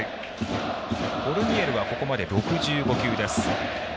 コルニエルは４回裏まで６５球です。